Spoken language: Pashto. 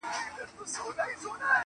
ستا خيال وفكر او يو څو خـــبـــري.